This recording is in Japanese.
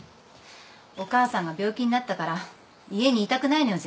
お母さんが病気になったから家にいたくないのよ絶対。